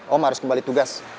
om harus kembali tugas